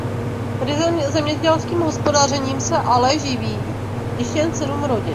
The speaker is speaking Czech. Ryze zemědělským hospodařením se ale živí již jen sedm rodin.